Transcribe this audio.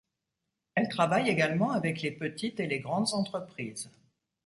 Elle travaille également avec les petites et les grandes entreprises.